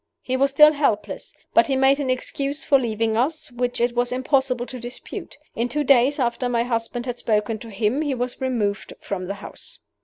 He was still helpless. But he made an excuse for leaving us which it was impossible to dispute. In two days after my husband had spoken to him he was removed from the house.